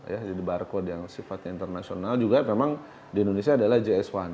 ya jadi barcode yang sifatnya internasional juga memang di indonesia adalah js satu